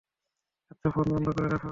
আচ্ছা, ফোন বন্ধ করে রাখো।